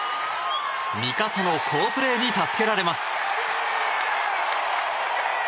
味方の好プレーに助けられます。